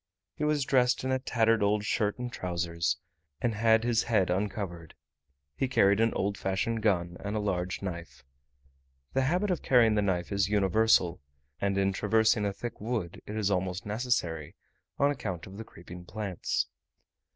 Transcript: He was dressed in a tattered old shirt and trousers, and had his head uncovered: he carried an old fashioned gun and a large knife. The habit of carrying the knife is universal; and in traversing a thick wood it is almost necessary, on account of the creeping plants.